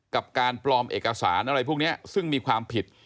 การปลอมเอกสารอะไรพวกนี้ซึ่งมีความผิด